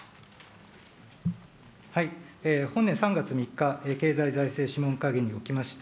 本年３月３日、経済財政諮問会議におきまして、